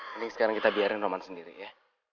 mending sekarang kita biarin roman sendiri ya